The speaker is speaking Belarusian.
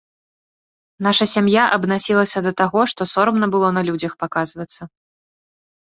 Наша сям'я абнасілася да таго, што сорамна было на людзях паказвацца.